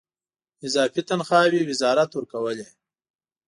اضافي تنخواوې وزارت ورکولې.